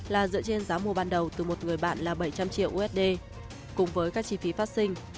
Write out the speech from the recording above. là dựa trên giá mua ban đầu từ một người bạn là bảy trăm linh triệu usd cùng với các chi phí phát sinh